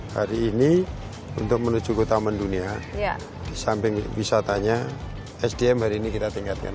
hari ini untuk menuju kota mendunia di samping wisatanya sdm hari ini kita tingkatkan